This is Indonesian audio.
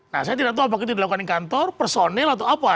nah saya tidak tahu apakah itu dilakukan di kantor personil atau apa